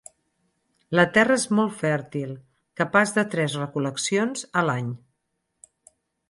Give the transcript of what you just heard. La terra és molt fèrtil, capaç de tres recol·leccions a l'any.